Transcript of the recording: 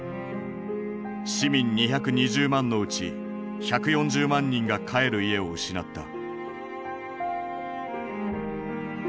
市民２２０万のうち１４０万人が帰る家を失った。